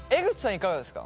いかがですか？